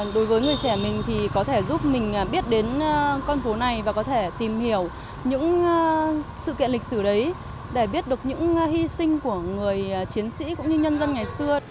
đối với người trẻ mình thì có thể giúp mình biết đến con phố này và có thể tìm hiểu những sự kiện lịch sử đấy để biết được những hy sinh của người chiến sĩ cũng như nhân dân ngày xưa